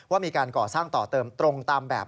ว่ามีการก่อสร้างต่อเติมตรงตามแบบ